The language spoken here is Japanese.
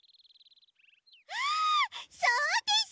あそうです！